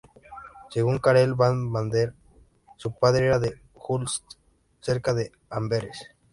Según Karel van Mander, su padre era de Hulst, cerca de Amberes.